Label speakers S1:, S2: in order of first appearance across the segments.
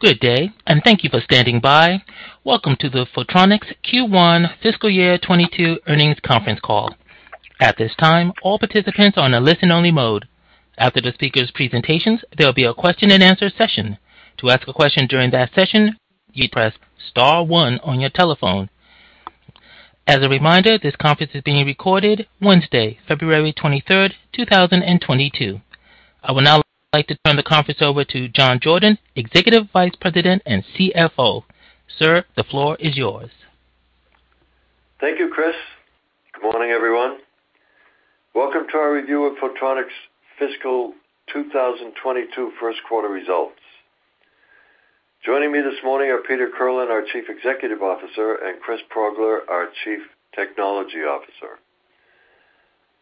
S1: Good day, thank you for standing by. Welcome to the Photronics Q1 Fiscal Year 2022 Earnings Conference Call. At this time, all participants are on a listen only mode. After the speaker's presentations, there'll be a question-and-answer session. To ask a question during that session, you press star one on your telephone. As a reminder, this conference is being recorded Wednesday, February 23rd, 2022. I would now like to turn the conference over to John Jordan, Executive Vice President and CFO. Sir, the floor is yours.
S2: Thank you, Chris. Good morning, everyone. Welcome to our review of Photronics fiscal 2022 first quarter results. Joining me this morning are Peter Kirlin, our Chief Executive Officer, and Chris Progler, our Chief Technology Officer.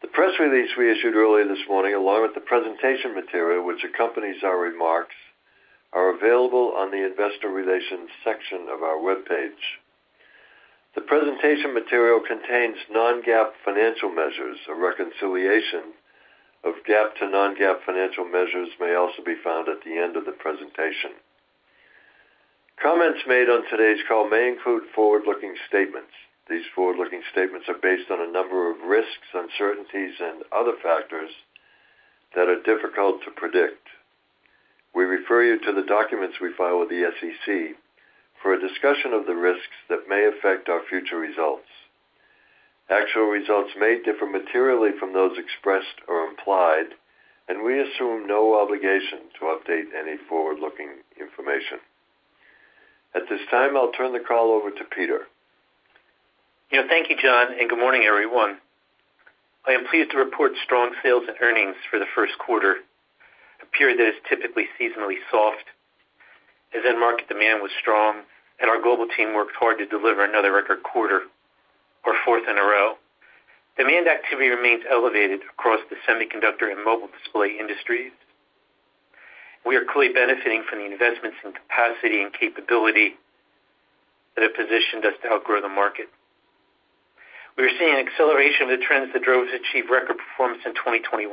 S2: The press release we issued earlier this morning, along with the presentation material which accompanies our remarks, are available on the Investor Relations section of our webpage. The presentation material contains non-GAAP financial measures. A reconciliation of GAAP to non-GAAP financial measures may also be found at the end of the presentation. Comments made on today's call may include forward-looking statements. These forward-looking statements are based on a number of risks, uncertainties, and other factors that are difficult to predict. We refer you to the documents we file with the SEC for a discussion of the risks that may affect our future results. Actual results may differ materially from those expressed or implied, and we assume no obligation to update any forward-looking information. At this time, I'll turn the call over to Peter.
S3: Yeah, thank you, John, and good morning, everyone. I am pleased to report strong sales and earnings for the first quarter, a period that is typically seasonally soft. End market demand was strong and our global team worked hard to deliver another record quarter, our fourth in a row. Demand activity remains elevated across the semiconductor and mobile display industries. We are clearly benefiting from the investments in capacity and capability that have positioned us to outgrow the market. We are seeing an acceleration of the trends that drove us to achieve record performance in 2021,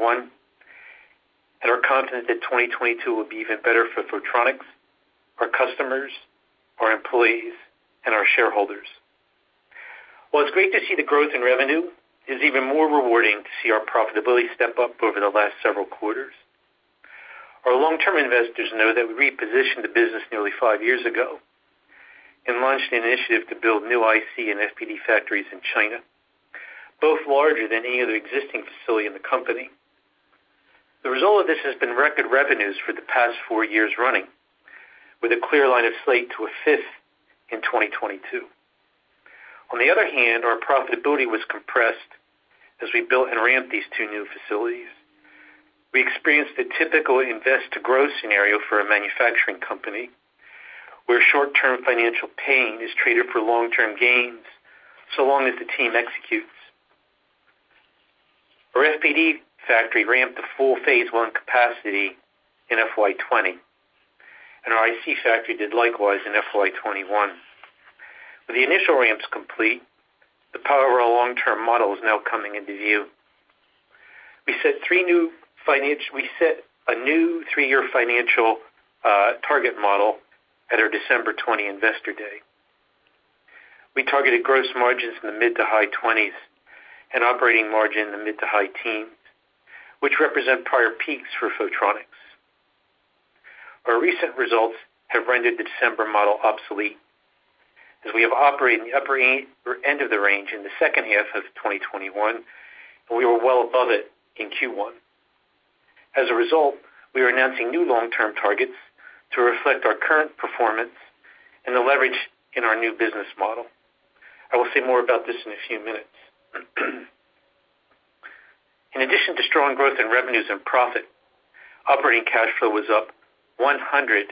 S3: and are confident that 2022 will be even better for Photronics, our customers, our employees, and our shareholders. While it's great to see the growth in revenue, it is even more rewarding to see our profitability step up over the last several quarters. Our long-term investors know that we repositioned the business nearly five years ago and launched an initiative to build new IC and FPD factories in China, both larger than any other existing facility in the company. The result of this has been record revenues for the past four years running, with a clear line of sight to a fifth in 2022. On the other hand, our profitability was compressed as we built and ramped these two new facilities. We experienced a typical invest to grow scenario for a manufacturing company, where short-term financial pain is traded for long-term gains, so long as the team executes. Our FPD factory ramped to full phase one capacity in FY 2020, and our IC factory did likewise in FY 2021. With the initial ramps complete, the power of our long-term model is now coming into view. We set a new three-year financial target model at our December 2020 Investor Day. We targeted gross margins in the mid- to high-20s and operating margin in the mid- to high-teens, which represent prior peaks for Photronics. Our recent results have rendered the December model obsolete, as we have operated in the upper end of the range in the second half of 2021, and we were well above it in Q1. As a result, we are announcing new long-term targets to reflect our current performance and the leverage in our new business model. I will say more about this in a few minutes. In addition to strong growth in revenues and profit, operating cash flow was up 125%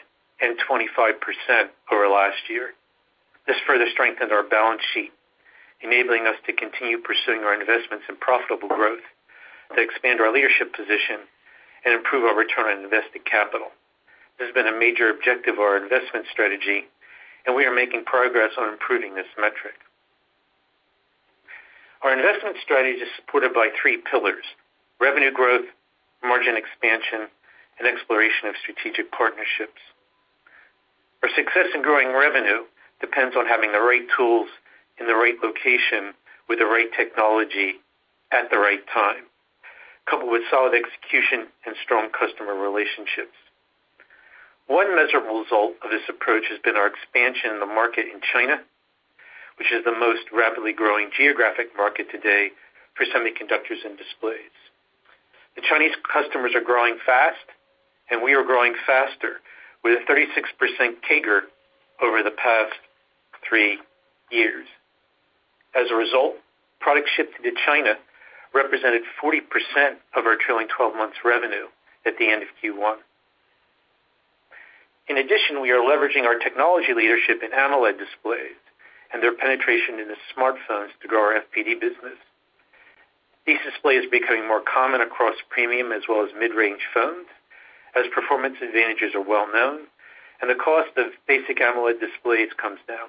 S3: over last year. This further strengthened our balance sheet, enabling us to continue pursuing our investments in profitable growth, to expand our leadership position, and improve our return on invested capital. This has been a major objective of our investment strategy, and we are making progress on improving this metric. Our investment strategy is supported by three pillars: revenue growth, margin expansion, and exploration of strategic partnerships. Our success in growing revenue depends on having the right tools in the right location with the right technology at the right time, coupled with solid execution and strong customer relationships. One measurable result of this approach has been our expansion in the market in China, which is the most rapidly growing geographic market today for semiconductors and displays. The Chinese customers are growing fast, and we are growing faster, with a 36% CAGR over the past three years. As a result, products shipped into China represented 40% of our trailing 12 months revenue at the end of Q1. In addition, we are leveraging our technology leadership in AMOLED displays and their penetration into smartphones to grow our FPD business. These displays are becoming more common across premium as well as mid-range phones, as performance advantages are well-known and the cost of basic AMOLED displays comes down.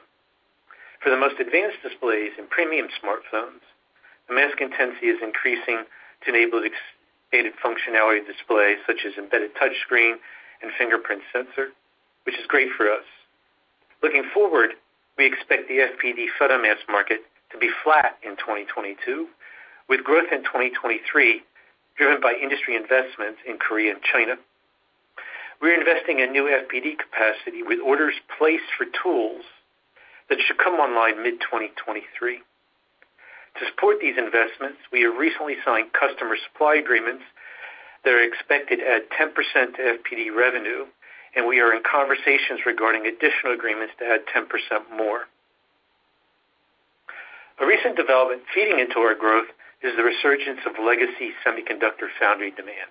S3: For the most advanced displays in premium smartphones, the mask intensity is increasing to enable expanded functionality displays such as embedded touch screen and fingerprint sensor, which is great for us. Looking forward, we expect the FPD photomask market to be flat in 2022, with growth in 2023 driven by industry investments in Korea and China. We're investing in new FPD capacity with orders placed for tools that should come online mid-2023. To support these investments, we have recently signed customer supply agreements that are expected to add 10% to FPD revenue, and we are in conversations regarding additional agreements to add 10% more. A recent development feeding into our growth is the resurgence of legacy semiconductor foundry demand.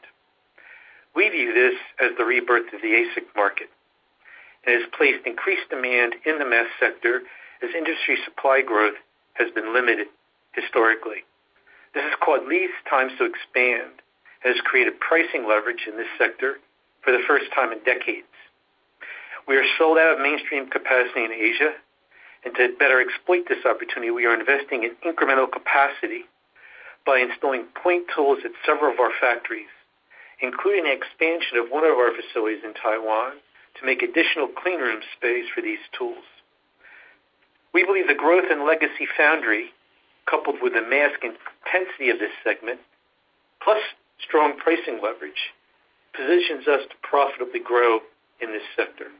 S3: We view this as the rebirth of the ASIC market, which has placed increased demand in the mask sector as industry supply growth has been limited historically. This has caused lead times to expand and has created pricing leverage in this sector for the first time in decades. We are sold out of mainstream capacity in Asia, and to better exploit this opportunity, we are investing in incremental capacity by installing point tools at several of our factories, including an expansion of one of our facilities in Taiwan to make additional clean room space for these tools. We believe the growth in legacy foundry, coupled with the mask intensity of this segment, plus strong pricing leverage, positions us to profitably grow in this sector.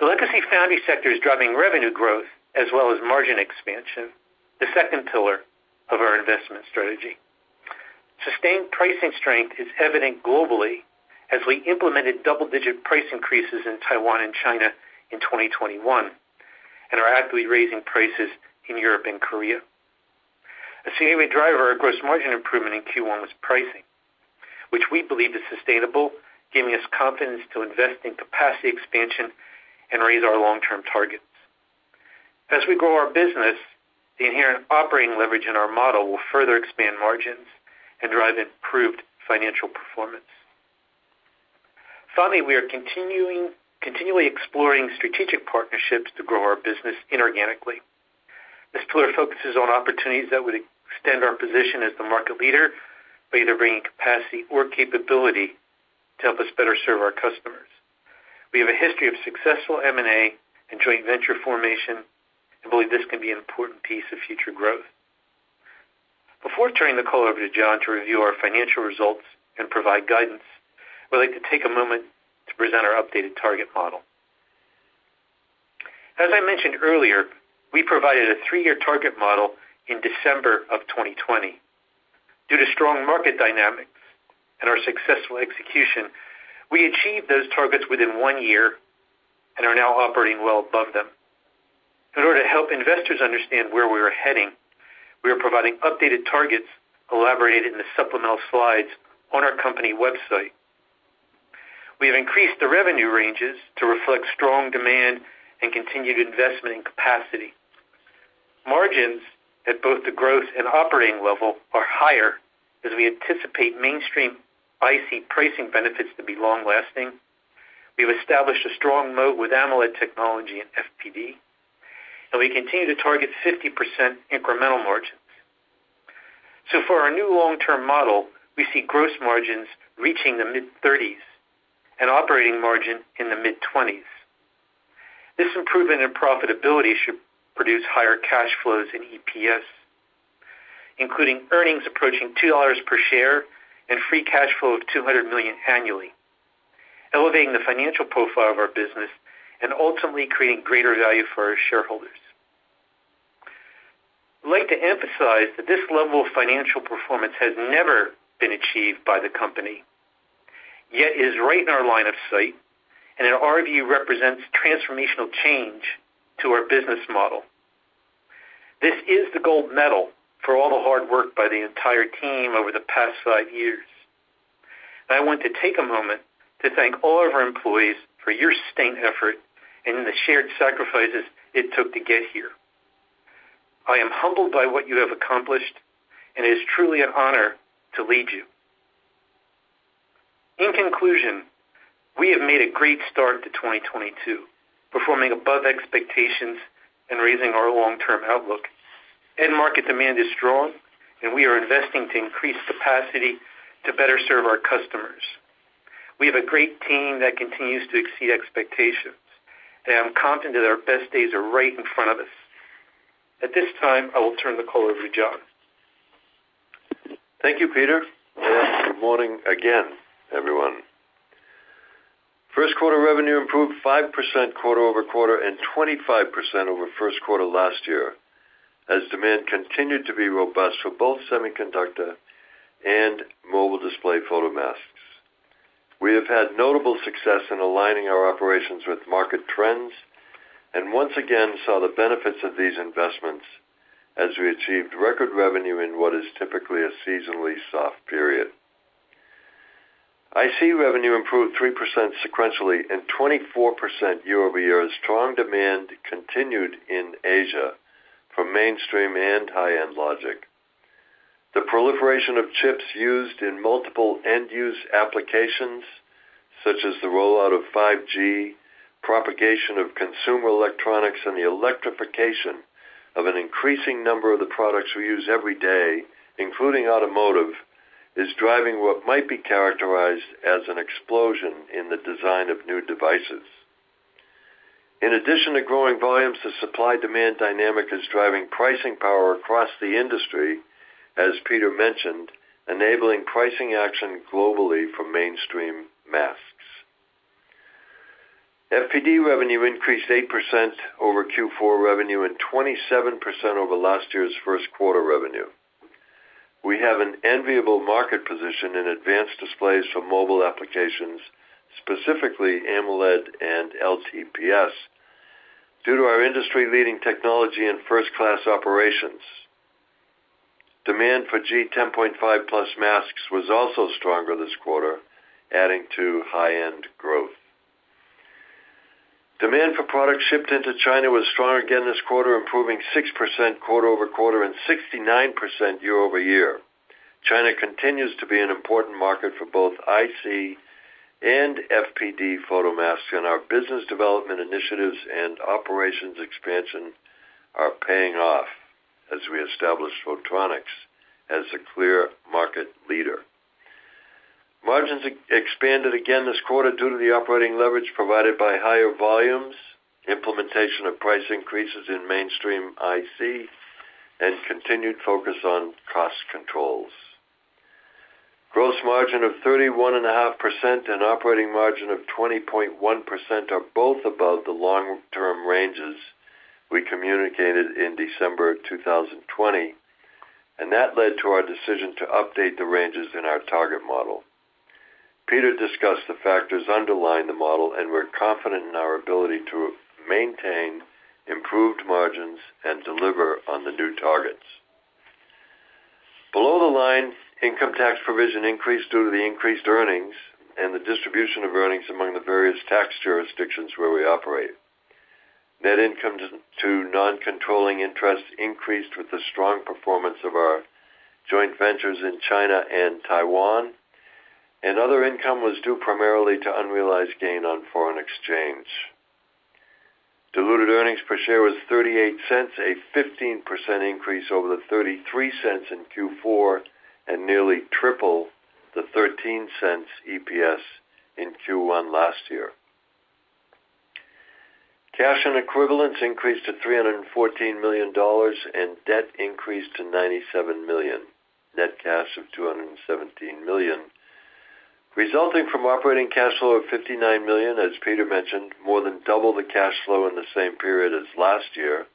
S3: The legacy foundry sector is driving revenue growth as well as margin expansion, the second pillar of our investment strategy. Sustained pricing strength is evident globally as we implemented double-digit price increases in Taiwan and China in 2021, and are actively raising prices in Europe and Korea. A significant driver of gross margin improvement in Q1 was pricing, which we believe is sustainable, giving us confidence to invest in capacity expansion and raise our long-term targets. As we grow our business, the inherent operating leverage in our model will further expand margins and drive improved financial performance. Finally, we are continually exploring strategic partnerships to grow our business inorganically. This pillar focuses on opportunities that would extend our position as the market leader by either bringing capacity or capability to help us better serve our customers. We have a history of successful M&A and joint venture formation, and believe this can be an important piece of future growth. Before turning the call over to John to review our financial results and provide guidance, I'd like to take a moment to present our updated target model. As I mentioned earlier, we provided a three-year target model in December of 2020. Due to strong market dynamics and our successful execution, we achieved those targets within one year and are now operating well above them. In order to help investors understand where we are heading, we are providing updated targets elaborated in the supplemental slides on our company website. We have increased the revenue ranges to reflect strong demand and continued investment in capacity. Margins at both the growth and operating level are higher as we anticipate mainstream IC pricing benefits to be long-lasting. We have established a strong moat with AMOLED technology in FPD, and we continue to target 50% incremental margins. For our new long-term model, we see gross margins reaching the mid-30s and operating margin in the mid-20s. This improvement in profitability should produce higher cash flows in EPS, including earnings approaching $2 per share and free cash flow of $200 million annually, elevating the financial profile of our business and ultimately creating greater value for our shareholders. I'd like to emphasize that this level of financial performance has never been achieved by the company, yet is right in our line of sight, and in our view, represents transformational change to our business model. This is the gold medal for all the hard work by the entire team over the past five years. I want to take a moment to thank all of our employees for your sustained effort and in the shared sacrifices it took to get here. I am humbled by what you have accomplished, and it is truly an honor to lead you. In conclusion, we have made a great start to 2022, performing above expectations and raising our long-term outlook. End market demand is strong, and we are investing to increase capacity to better serve our customers. We have a great team that continues to exceed expectations, and I'm confident that our best days are right in front of us. At this time, I will turn the call over to John.
S2: Thank you, Peter. Well, good morning again, everyone. First quarter revenue improved 5% quarter-over-quarter and 25% over first quarter last year, as demand continued to be robust for both semiconductor and mobile display photomasks. We have had notable success in aligning our operations with market trends, and once again saw the benefits of these investments as we achieved record revenue in what is typically a seasonally soft period. IC revenue improved 3% sequentially and 24% year-over-year as strong demand continued in Asia for mainstream and high-end logic. The proliferation of chips used in multiple end-use applications, such as the rollout of 5G, propagation of consumer electronics, and the electrification of an increasing number of the products we use every day, including automotive, is driving what might be characterized as an explosion in the design of new devices. In addition to growing volumes, the supply-demand dynamic is driving pricing power across the industry, as Peter mentioned, enabling pricing action globally for mainstream masks. FPD revenue increased 8% over Q4 revenue and 27% over last year's first quarter revenue. We have an enviable market position in advanced displays for mobile applications, specifically AMOLED and LTPS, due to our industry-leading technology and first-class operations. Demand for G10.5+ masks was also stronger this quarter, adding to high-end growth. Demand for products shipped into China was strong again this quarter, improving 6% quarter-over-quarter and 69% year-over-year. China continues to be an important market for both IC and FPD photomasks, and our business development initiatives and operations expansion are paying off as we establish Photronics as a clear market leader. Margins expanded again this quarter due to the operating leverage provided by higher volumes, implementation of price increases in mainstream IC, and continued focus on cost controls. Gross margin of 31.5% and operating margin of 20.1% are both above the long-term ranges we communicated in December 2020, and that led to our decision to update the ranges in our target model. Peter discussed the factors underlying the model, and we're confident in our ability to maintain improved margins and deliver on the new targets. Below the line, income tax provision increased due to the increased earnings and the distribution of earnings among the various tax jurisdictions where we operate. Net income to non-controlling interest increased with the strong performance of our joint ventures in China and Taiwan, and other income was due primarily to unrealized gain on foreign exchange. Diluted earnings per share was $0.38, a 15% increase over the $0.33 in Q4, and nearly triple the $0.13 EPS in Q1 last year. Cash and equivalents increased to $314 million, and debt increased to $97 million. Net cash of $217 million, resulting from operating cash flow of $59 million, as Peter mentioned, more than double the cash flow in the same period as last year,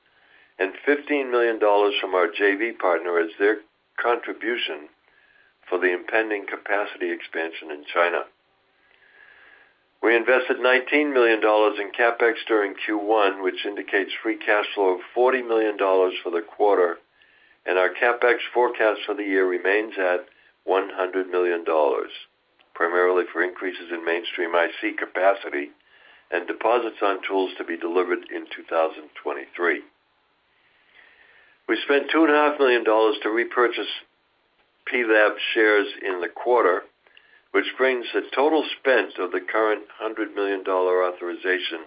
S2: and $15 million from our JV partner as their contribution for the impending capacity expansion in China. We invested $19 million in CapEx during Q1, which indicates free cash flow of $40 million for the quarter, and our CapEx forecast for the year remains at $100 million, primarily for increases in mainstream IC capacity and deposits on tools to be delivered in 2023. We spent $2.5 million to repurchase PLAB shares in the quarter, which brings the total spent of the current $100 million authorization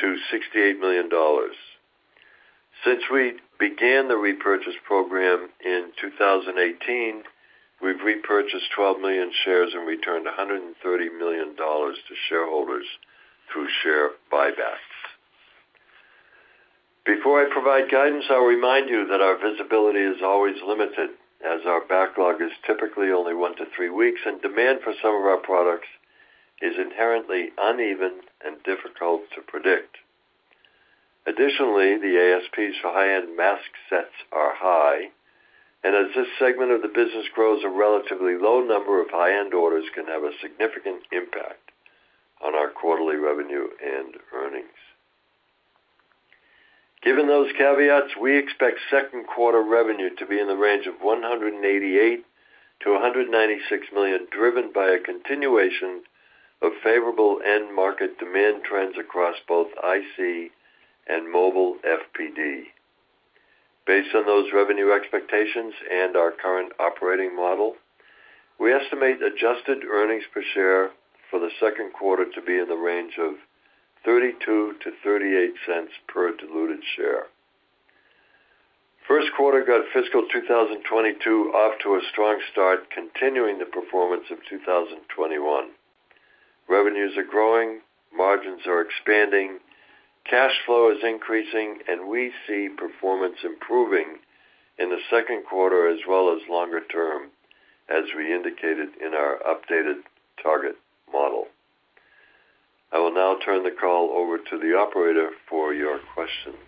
S2: to $68 million. Since we began the repurchase program in 2018, we've repurchased 12 million shares and returned $130 million to shareholders through share buybacks. Before I provide guidance, I'll remind you that our visibility is always limited, as our backlog is typically only one to three weeks, and demand for some of our products is inherently uneven and difficult to predict. Additionally, the ASPs for high-end mask sets are high, and as this segment of the business grows, a relatively low number of high-end orders can have a significant impact on our quarterly revenue and earnings. Given those caveats, we expect second quarter revenue to be in the range of $188 million-$196 million, driven by a continuation of favorable end market demand trends across both IC and mobile FPD. Based on those revenue expectations and our current operating model, we estimate adjusted earnings per share for the second quarter to be in the range of $0.32-$0.38 per diluted share. First quarter got fiscal 2022 off to a strong start, continuing the performance of 2021. Revenues are growing, margins are expanding, cash flow is increasing, and we see performance improving in the second quarter as well as longer term, as we indicated in our updated target model. I will now turn the call over to the operator for your questions.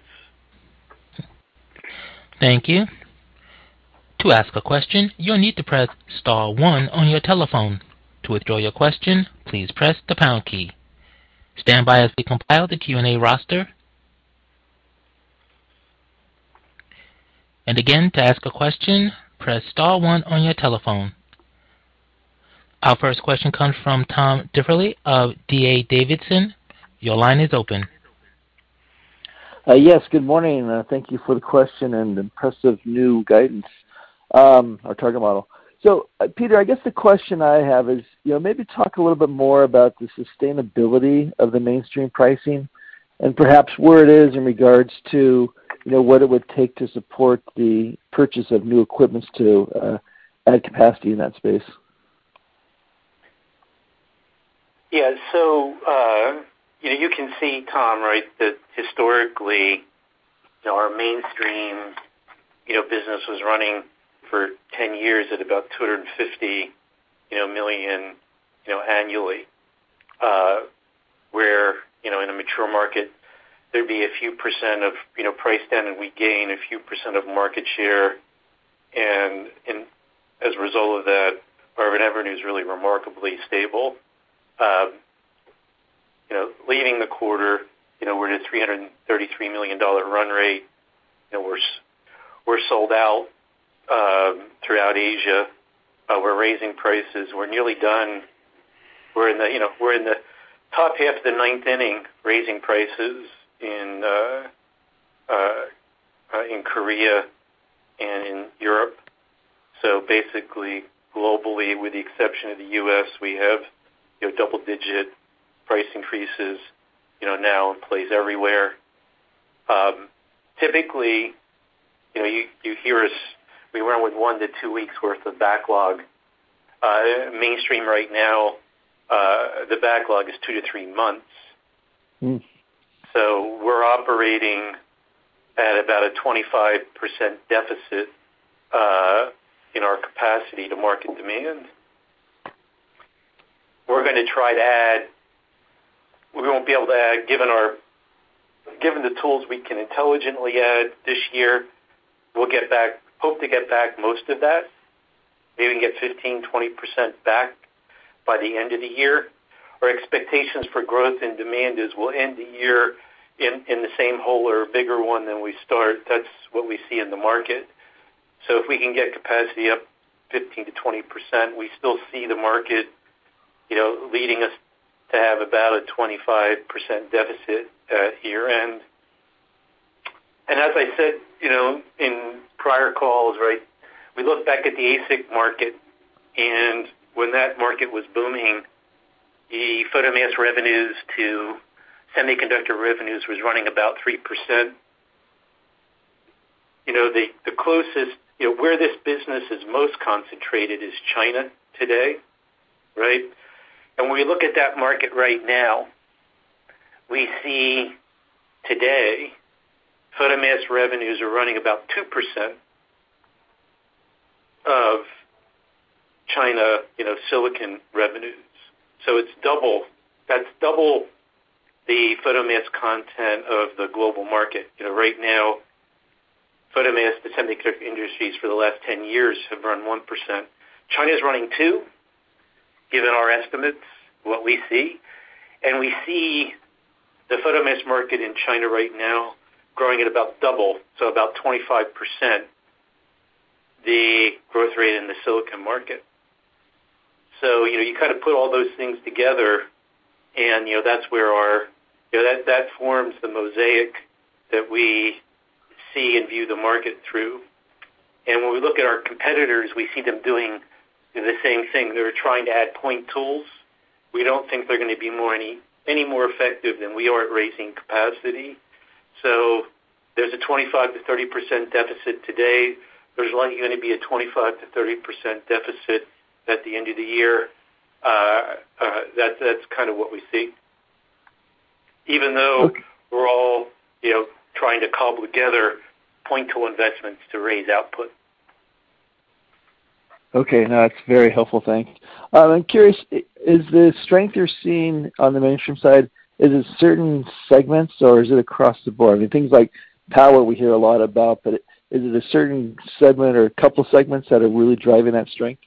S1: Our first question comes from Tom Diffely of D.A. Davidson. Your line is open.
S4: Yes. Good morning. Thank you for the question and impressive new guidance, our target model. Peter, I guess the question I have is, you know, maybe talk a little bit more about the sustainability of the mainstream pricing and perhaps where it is in regards to, you know, what it would take to support the purchase of new equipments to add capacity in that space?
S3: Yeah, you know, you can see Tom, right, that historically, you know, our mainstream, you know, business was running for 10 years at about $250 million annually, where, you know, in a mature market there'd be a few percent of, you know, price down, and we gain a few percent of market share. As a result of that, our revenue is really remarkably stable. You know, leading the quarter, you know, we're at $333 million run rate. You know, we're sold out throughout Asia. We're raising prices. We're nearly done. We're in the top half of the ninth inning, raising prices in Korea and in Europe. Basically globally, with the exception of the U.S., we have, you know, double-digit price increases, you know, now in place everywhere. Typically, you know, you hear us, we run with one to two weeks worth of backlog. Mainstream right now, the backlog is two to three months.
S4: Mm.
S3: We're operating at about a 25% deficit in our capacity to market demand. We won't be able to add, given the tools we can intelligently add this year. We'll hope to get back most of that, maybe get 15%-20% back by the end of the year. Our expectations for growth and demand is we'll end the year in the same hole or a bigger one than we start. That's what we see in the market. If we can get capacity up 15%-20%, we still see the market, you know, leading us to have about a 25% deficit at year-end. As I said, you know, in prior calls, right, we look back at the ASIC market, and when that market was booming, the photomask revenues to semiconductor revenues was running about 3%. You know, the closest, you know, where this business is most concentrated is China today, right? When we look at that market right now, we see today photomask revenues are running about 2% of China, you know, silicon revenues. It's double. That's double the photomask content of the global market. You know, right now, photomask to semiconductor industries for the last 10 years have run 1%. China's running 2%, given our estimates, what we see. We see the photomask market in China right now growing at about double, so about 25% the growth rate in the silicon market. You kind of put all those things together, and that's where that forms the mosaic that we see and view the market through. When we look at our competitors, we see them doing the same thing. They're trying to add point tools. We don't think they're gonna be any more effective than we are at raising capacity. There's a 25%-30% deficit today. There's likely gonna be a 25%-30% deficit at the end of the year. That's kind of what we see, even though we're all trying to cobble together point tool investments to raise output.
S4: Okay. No, that's very helpful. Thanks. I'm curious, is the strength you're seeing on the mainstream side, is it certain segments or is it across the board? I mean, things like power we hear a lot about, but is it a certain segment or a couple segments that are really driving that strength?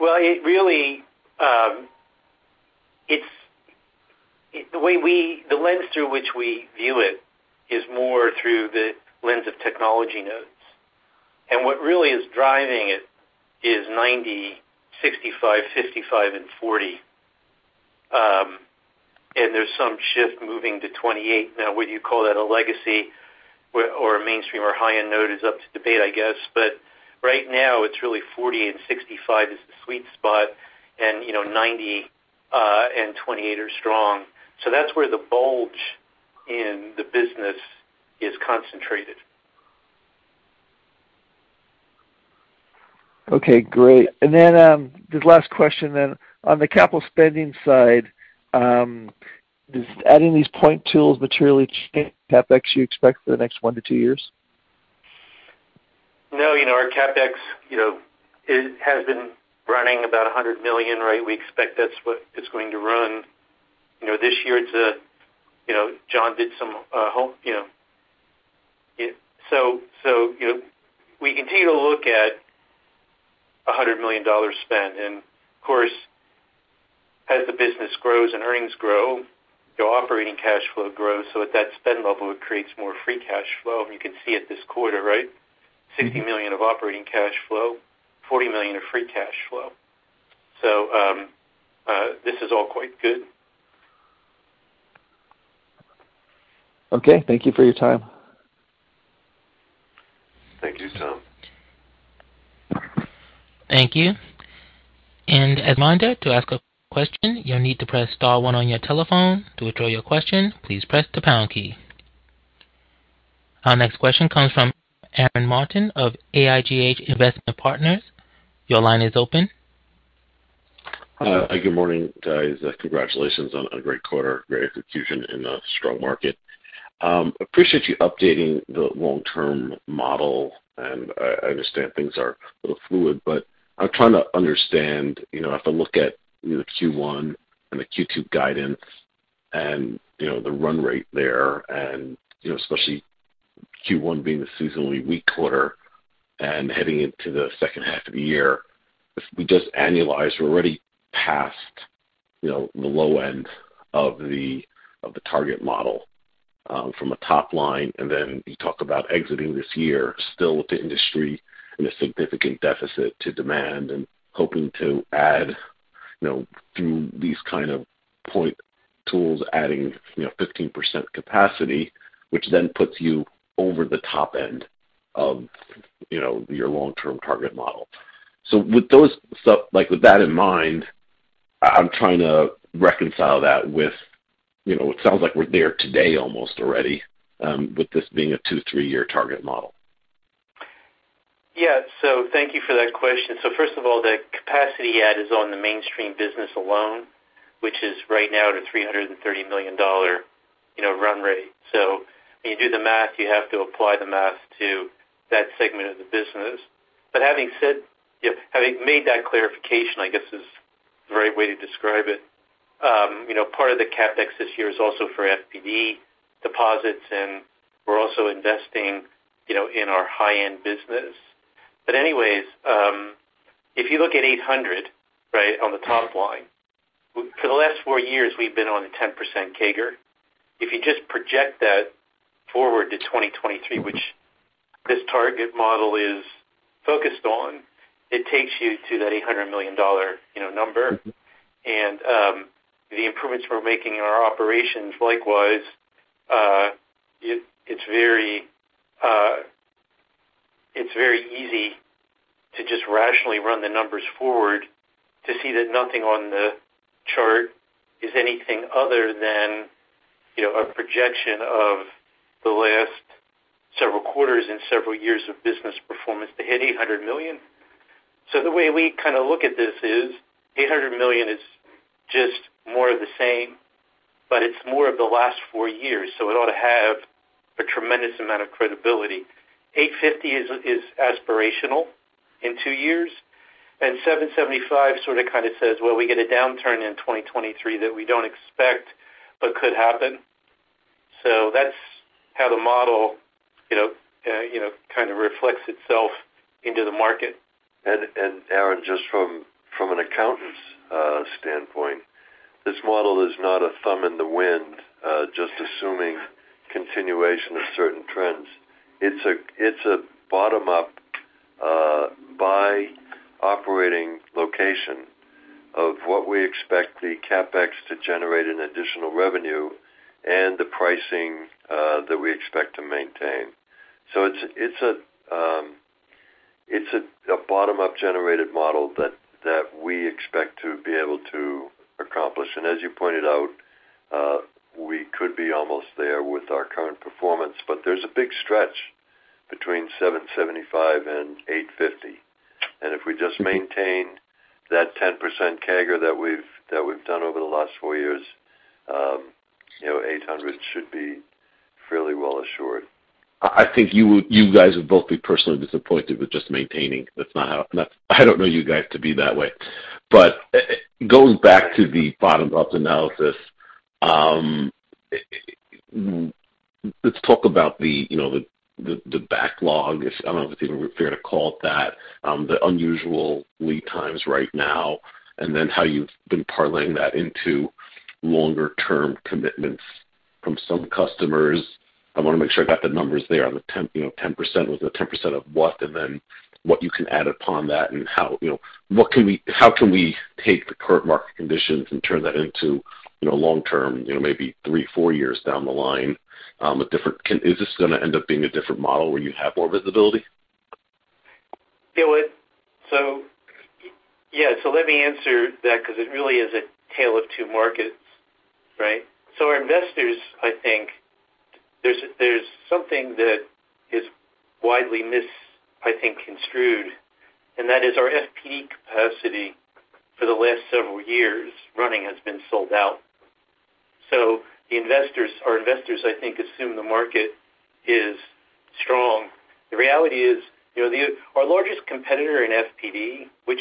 S3: Well, it really is the lens through which we view it is more through the lens of technology nodes. What really is driving it is 90 nm, 65 nm, 55 nm, and 40 nm. There's some shift moving to 28 nm. Now, whether you call that a legacy where, or a mainstream or high-end node is up to debate, I guess. Right now it's really 40 nm and 65 nm is the sweet spot and, you know, 90 nm and 28 nm are strong. That's where the bulge in the business is concentrated.
S4: Okay, great. Just last question then. On the capital spending side, does adding these point tools materially change CapEx you expect for the next one to two years?
S3: No. You know, our CapEx has been running about $100 million, right? We expect that's what it's going to run. You know, this year it's you know, John did some homework, you know. We continue to look at $100 million spend. Of course, as the business grows and earnings grow, your operating cash flow grows. At that spend level, it creates more free cash flow. You can see it this quarter, right? $60 million of operating cash flow, $40 million of free cash flow. This is all quite good.
S4: Okay. Thank you for your time.
S3: Thank you, Tom.
S1: Thank you. As a reminder, to ask a question, you'll need to press star one on your telephone. To withdraw your question, please press the pound key. Our next question comes from Aaron Martin of AIGH Investment Partners. Your line is open.
S5: Good morning, guys. Congratulations on a great quarter, great execution in a strong market. Appreciate you updating the long-term model, and I understand things are a little fluid, but I'm trying to understand, you know, if I look at, you know, Q1 and the Q2 guidance and, you know, the run rate there, and, you know, especially Q1 being the seasonally weak quarter and heading into the second half of the year, if we just annualize, we're already past, you know, the low end of the target model from a top line. Then you talk about exiting this year still with the industry in a significant deficit to demand and hoping to add, you know, through these kind of point tools, adding, you know, 15% capacity, which then puts you over the top end of, you know, your long-term target model. With that in mind, I'm trying to reconcile that with, you know, it sounds like we're there today almost already, with this being a two, three-year target model.
S3: Yeah. Thank you for that question. First of all, the capacity add is on the mainstream business alone, which is right now at a $330 million, you know, run rate. When you do the math, you have to apply the math to that segment of the business. But having made that clarification, I guess, is the right way to describe it. You know, part of the CapEx this year is also for FPD deposits, and we're also investing, you know, in our high-end business. But anyways, if you look at $800 million, right, on the top line, for the last four years we've been on a 10% CAGR. If you just project that forward to 2023, which this target model is focused on, it takes you to that $800 million, you know, number.
S5: Mm-hmm.
S3: The improvements we're making in our operations likewise, it's very easy to just rationally run the numbers forward to see that nothing on the chart is anything other than, you know, a projection of the last several quarters and several years of business performance to hit $800 million. The way we kinda look at this is $800 million is just more of the same, but it's more of the last four years, so it ought to have a tremendous amount of credibility. $850 million is aspirational in two years, and $775 million sorta kinda says, well, we get a downturn in 2023 that we don't expect but could happen. That's how the model, you know, kind of reflects itself into the market.
S2: Aaron, just from an accountant's standpoint, this model is not a thumb in the wind just assuming continuation of certain trends. It's a bottom up by operating location of what we expect the CapEx to generate an additional revenue and the pricing that we expect to maintain. It's a bottom up generated model that we expect to be able to accomplish. As you pointed out, we could be almost there with our current performance. There's a big stretch between $775 million and $850 million. If we just maintain that 10% CAGR that we've done over the last four years, you know, $800 million should be fairly well assured.
S5: I think you guys would both be personally disappointed with just maintaining. That's not how. I don't know you guys to be that way. Going back to the bottom-up analysis, let's talk about the, you know, the backlog. I don't know if it's even fair to call it that. The unusual lead times right now, and then how you've been parlaying that into longer term commitments from some customers. I wanna make sure I got the numbers there on the 10, you know, 10%. Was the 10% of what? And then what you can add upon that and how, you know, what can we how can we take the current market conditions and turn that into, you know, long term, maybe three to years down the line, a different. Is this gonna end up being a different model where you have more visibility?
S3: It would. Yeah. Let me answer that because it really is a tale of two markets, right? Our investors, I think there's something that is widely misconstrued, and that is our FPD capacity for the last several years running has been sold out. The investors, our investors I think assume the market is strong. The reality is, you know, our largest competitor in FPD, which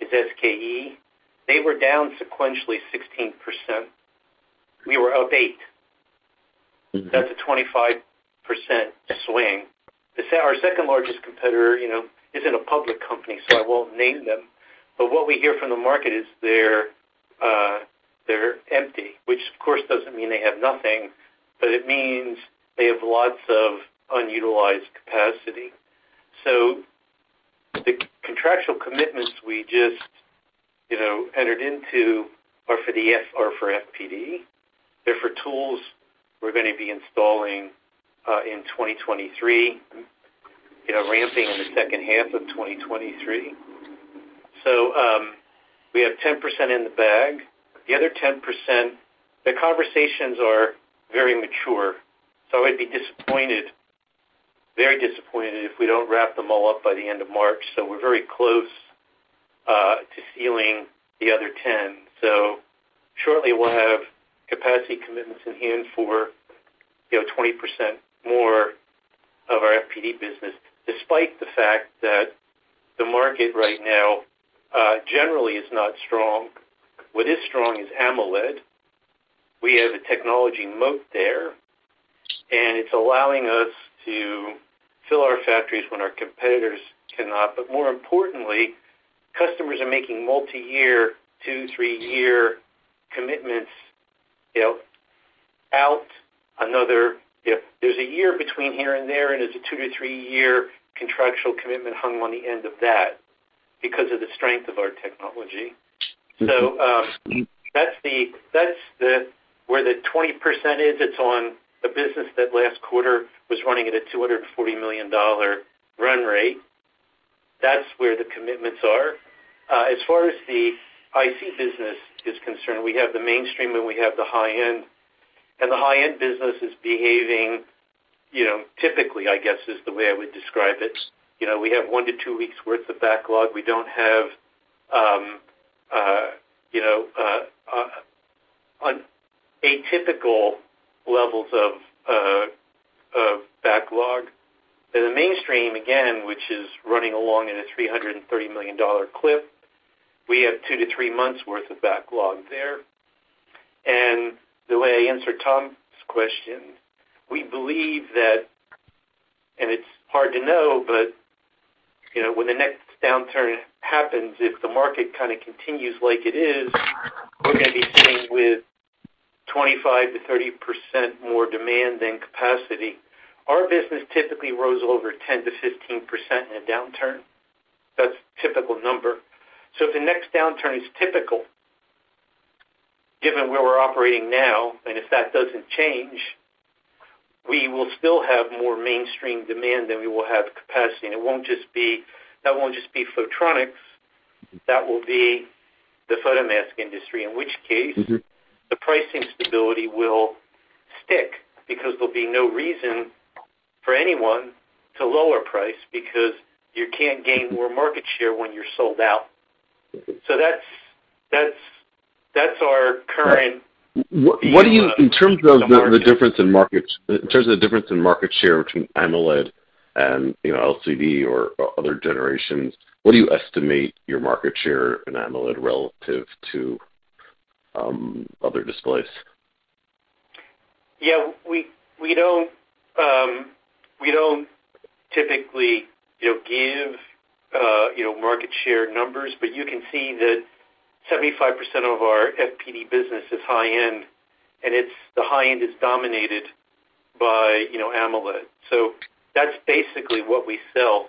S3: is SKE, they were down sequentially 16%. We were up 8%.
S5: Mm-hmm.
S3: That's a 25% swing. Our second-largest competitor, you know, isn't a public company, so I won't name them, but what we hear from the market is they're empty, which of course doesn't mean they have nothing, but it means they have lots of unutilized capacity. The contractual commitments we just, you know, entered into are for FPD. They're for tools we're gonna be installing in 2023, you know, ramping in the second half of 2023. We have 10% in the bag. The other 10%, the conversations are very mature, so I'd be disappointed, very disappointed if we don't wrap them all up by the end of March. We're very close to sealing the other 10%. Shortly we'll have capacity commitments in hand for, you know, 20% more of our FPD business, despite the fact that the market right now, generally is not strong. What is strong is AMOLED. We have a technology moat there, and it's allowing us to fill our factories when our competitors cannot. More importantly, customers are making multi-year, two-, three-year commitments, you know. If there's a year between here and there, and there's a two- to three-year contractual commitment hung on the end of that because of the strength of our technology.
S5: Mm-hmm.
S3: That's where the 20% is. It's on the business that last quarter was running at a $240 million run rate. That's where the commitments are. As far as the IC business is concerned, we have the mainstream, and we have the high end, and the high-end business is behaving, you know, typically, I guess is the way I would describe it. You know, we have one to two weeks' worth of backlog. We don't have, you know, atypical levels of backlog. In the mainstream again, which is running along at a $330 million clip, we have two to three months' worth of backlog there. The way I answered Tom's question, we believe that, and it's hard to know, but, you know, when the next downturn happens, if the market kind of continues like it is, we're gonna be sitting with 25%-30% more demand than capacity. Our business typically grows over 10%-15% in a downturn. That's typical number. If the next downturn is typical, given where we're operating now, and if that doesn't change, we will still have more mainstream demand than we will have capacity. It won't just be Photronics. That will be the photomask industry. In which case-
S5: Mm-hmm.
S3: The pricing stability will stick because there'll be no reason for anyone to lower price because you can't gain more market share when you're sold out.
S5: Mm-hmm.
S3: That's our current view of the market.
S5: In terms of the difference in market share between AMOLED and, you know, LCD or other generations, what do you estimate your market share in AMOLED relative to other displays?
S3: Yeah, we don't typically, you know, give you know, market share numbers. You can see that 75% of our FPD business is high end, and it's the high end is dominated by, you know, AMOLED. That's basically what we sell,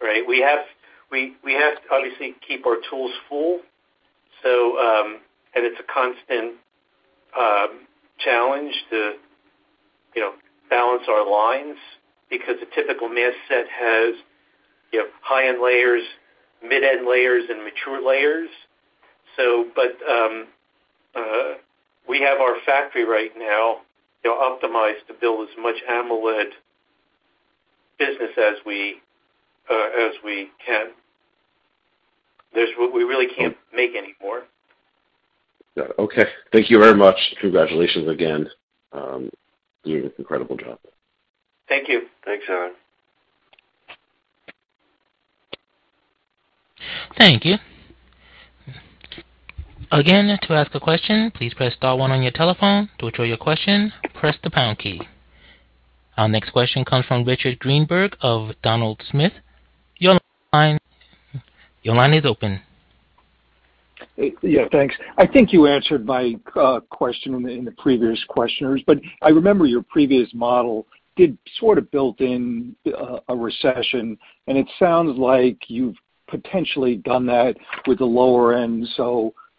S3: right? We have to obviously keep our tools full. It's a constant challenge to, you know, balance our lines because a typical mask set has, you know, high-end layers, mid-end layers, and mature layers. We have our factory right now, you know, optimized to build as much AMOLED business as we can. We really can't make any more.
S5: Yeah. Okay. Thank you very much. Congratulations again. You did an incredible job.
S3: Thank you.
S2: Thanks, Aaron.
S1: Our next question comes from Richard Greenberg of Donald Smith. Your line is open.
S6: Yeah, thanks. I think you answered my question in the previous questions, but I remember your previous model did sort of built in a recession, and it sounds like you've potentially done that with the lower end?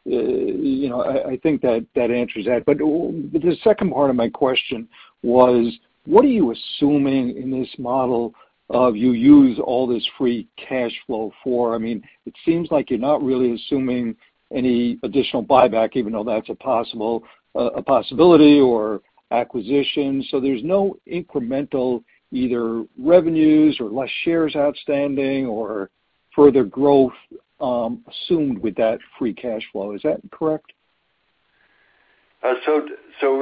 S6: You know, I think that answers that. The second part of my question was, what are you assuming in this model if you use all this free cash flow for? I mean, it seems like you're not really assuming any additional buyback, even though that's a possibility or acquisition. There's no incremental either revenues or less shares outstanding or further growth assumed with that free cash flow. Is that correct?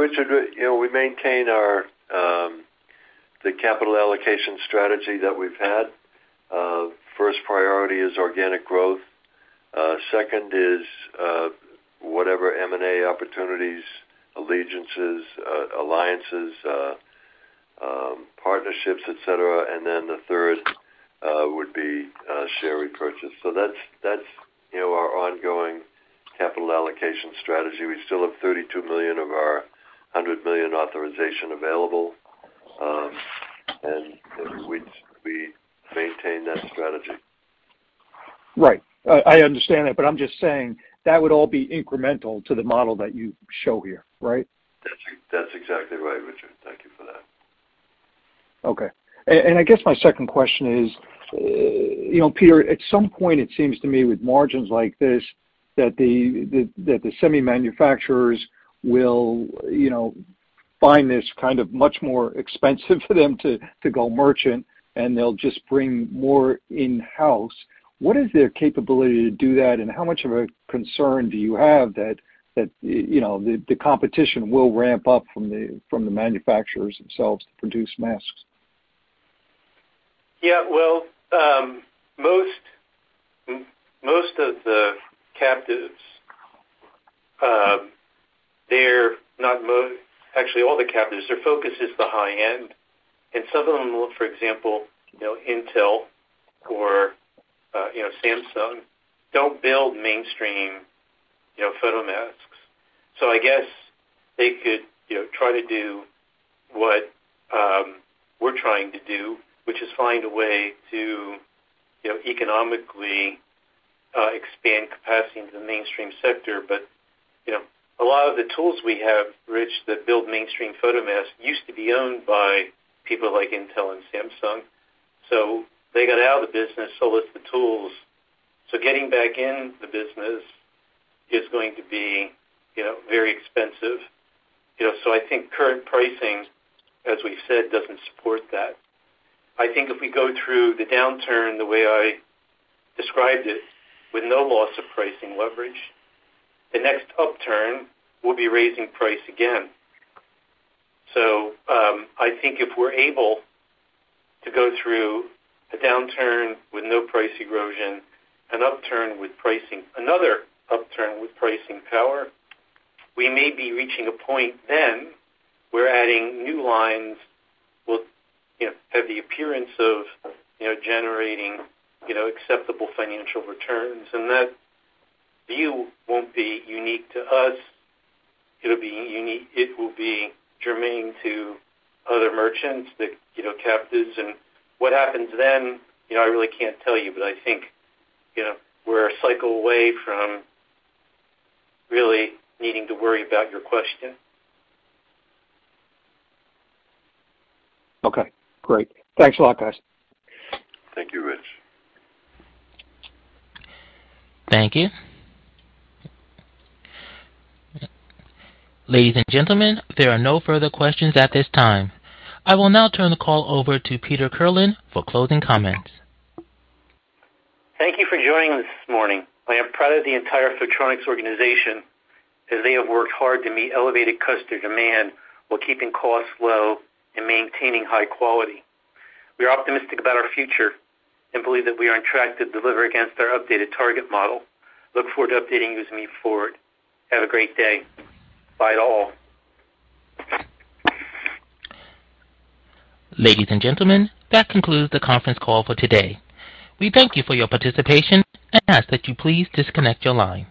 S3: Richard, you know, we maintain our the capital allocation strategy that we've had. First priority is organic growth. Second is whatever M&A opportunities, alliances. Partnerships, et cetera. The third would be share repurchase. That's, you know, our ongoing capital allocation strategy. We still have $32 million of our $100 million authorization available, and maintain that strategy.
S6: Right. I understand that, but I'm just saying that would all be incremental to the model that you show here, right?
S3: That's exactly right, Richard. Thank you for that.
S6: Okay. I guess my second question is, you know, Peter, at some point it seems to me with margins like this, that the semi manufacturers will, you know, find this kind of much more expensive for them to go merchant, and they'll just bring more in-house. What is their capability to do that, and how much of a concern do you have that you know, the competition will ramp up from the manufacturers themselves to produce masks?
S3: Yeah. Well, most of the captives. Actually, all the captives, their focus is the high end. Some of them will, for example, you know, Intel or, you know, Samsung, don't build mainstream, you know, photomasks. I guess they could, you know, try to do what we're trying to do, which is find a way to, you know, economically expand capacity into the mainstream sector. You know, a lot of the tools we have, Rich, that build mainstream photomask, used to be owned by people like Intel and Samsung. They got out of the business, sold us the tools. Getting back in the business is going to be, you know, very expensive. You know, I think current pricing, as we said, doesn't support that. I think if we go through the downturn the way I described it, with no loss of pricing leverage, the next upturn will be raising price again. I think if we're able to go through a downturn with no price erosion, another upturn with pricing power, we may be reaching a point then where adding new lines will, you know, have the appearance of, you know, generating, you know, acceptable financial returns. That view won't be unique to us. It will be germane to other merchants, the, you know, captives. What happens then, you know, I really can't tell you, but I think, you know, we're a cycle away from really needing to worry about your question.
S6: Okay, great. Thanks a lot, guys.
S3: Thank you, Rich.
S1: Thank you. Ladies and gentlemen, there are no further questions at this time. I will now turn the call over to Peter Kirlin for closing comments.
S3: Thank you for joining this morning. I am proud of the entire Photronics organization, as they have worked hard to meet elevated customer demand while keeping costs low and maintaining high quality. We are optimistic about our future and believe that we are on track to deliver against our updated target model. I look forward to updating you as we move forward. Have a great day. Bye to all.
S1: Ladies and gentlemen, that concludes the conference call for today. We thank you for your participation and ask that you please disconnect your line.